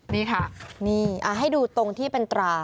นี่ค่ะนี่ให้ดูตรงที่เป็นตรา